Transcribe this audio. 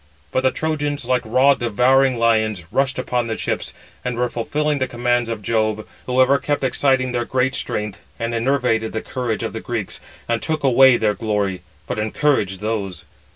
But the Trojans, like raw devouring lions, rushed upon the ships, and were fulfilling the commands of Jove; who ever kept exciting their great strength, and enervated the courage of the Greeks, and took away their glory; but encouraged those.